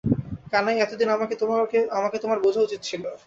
কানাই, এতদিন আমাকে তোমার বোঝা উচিত ছিল।